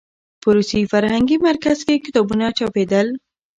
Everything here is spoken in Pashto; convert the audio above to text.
په روسي فرهنګي مرکز کې کتابونه چاپېدل.